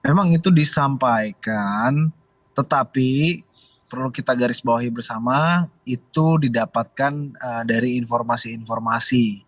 memang itu disampaikan tetapi perlu kita garis bawahi bersama itu didapatkan dari informasi informasi